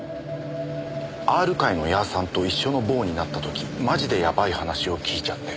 「Ｒ会のヤーさんと一緒の房になった時マジでヤバい話を聞いちゃって」